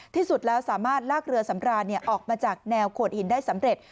ที่สุดแล้วสามารถลากเรือสำราญออกมาจากแนวโขดหินได้สำเร็จ